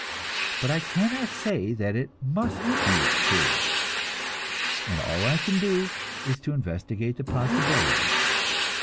But I cannot say that it must be true, and all I can do is to investigate the probabilities.